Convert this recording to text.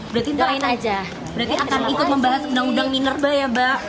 berarti mbak akan ikut membahas undang undang minerba ya mbak